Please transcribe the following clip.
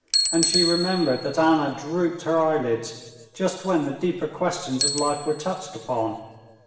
And she remembered that Anna drooped her eyelids just when the deeper questions of life were touched upon.